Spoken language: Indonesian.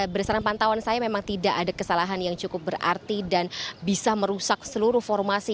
berdasarkan pantauan saya memang tidak ada kesalahan yang cukup berarti dan bisa merusak seluruh formasi